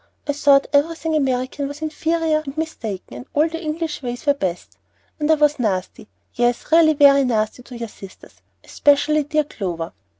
I thought everything American was inferior and mistaken, and all the English ways were best; and I was nasty, yes, really very nasty to your sisters, especially dear Clover.